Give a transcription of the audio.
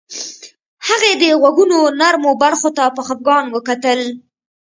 هغې د غوږونو نرمو برخو ته په خفګان وکتل